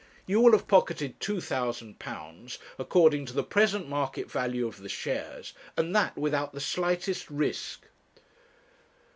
You will have pocketed two thousand pounds, according to the present market value of the shares, and that without the slightest risk.'